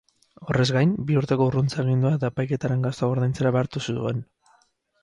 Horrez gain, bi urteko urruntze-agindua eta epaiketaren gastuak ordaintzera behartu zuen.